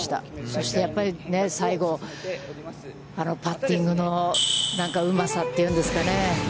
そしてやっぱり、最後、あのパッティングのうまさというんですかね。